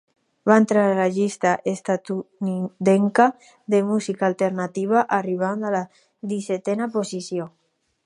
Va entrar a la llista estatunidenca de música alternativa, arribant a la dissetena posició.